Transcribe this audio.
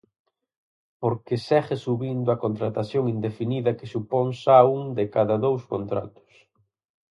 Porque segue subindo a contratación indefinida que supón xa un de cada dous contratos.